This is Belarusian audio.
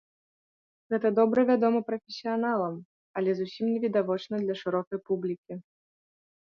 Гэта добра вядома прафесіяналам, але зусім не відавочна для шырокай публікі.